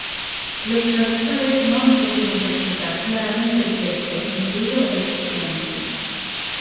Los traductores no han podido interpretar claramente el texto, incluido el título en sí.